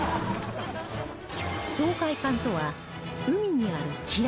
掃海艦とは海にある機雷